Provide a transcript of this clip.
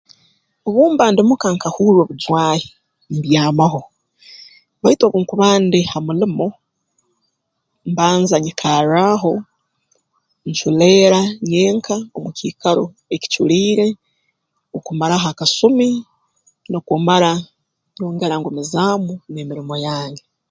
Obu mba ndi muka nkahurra obujwahi mbyamaho baitu obu nkuba ndi ha mulimo mbanza nyikarraaho nculeera nyenka omu kiikaro ekiculiire okumaraho akasumi nukwo mara nyongera ngumizaamu n'emirimo yange